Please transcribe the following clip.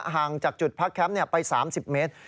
ห่างจากจุดพักแคมป์ไป๓๐เมตร